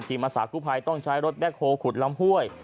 อาสากุภัยต้องใช้รถแบ็คโฮลขุดลำห้วย